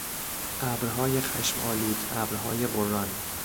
ابرهای خشمآلود، ابرهای غران